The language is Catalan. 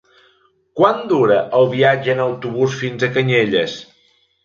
Quant dura el viatge en autobús fins a Canyelles?